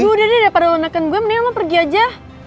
aduh udah deh udah pada lelanekan gue mendingan lo pergi aja